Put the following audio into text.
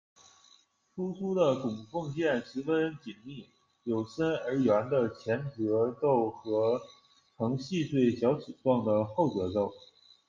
突出的骨缝线十分紧密，有深而圆的前折皱和呈细碎小齿状的后折皱。